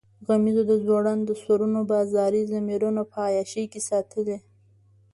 غمیزو د ځوړندو سرونو بازاري ضمیرونه په عیاشۍ کې ساتلي.